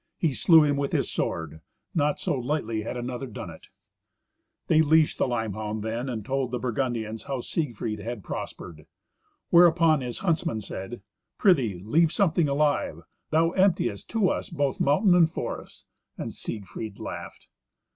He slew him with his sword. Not so lightly had another done it. They leashed their limehound then, and told the Burgundians how Siegfried had prospered. Whereupon his huntsman said, "Prithee, leave something alive; thou emptiest to us both mountain and forest." And Siegfried laughed.